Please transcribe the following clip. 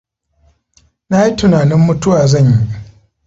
Na yi tunanin mutuwa zan yi.